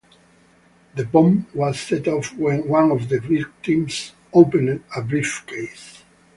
The bomb was set off when one of the victims opened a briefcase.